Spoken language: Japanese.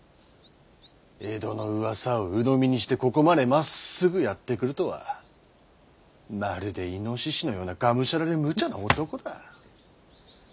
江戸のうわさを鵜呑みにしてここまでまっすぐやって来るとはまるで猪のようながむしゃらでむちゃな男だ。